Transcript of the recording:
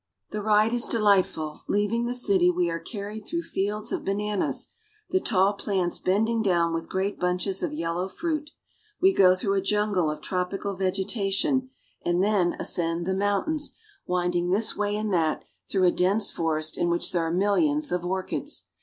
The ride is delightful. Leaving the city, we are carried through fields of bananas, the tall plants bending down with great bunches of yellow fruit. We go through a jungle of tropical vegetation, and then ascend the moun 254 BRAZIL. tains, winding this way and that through a dense forest in which there are miUions of orchids.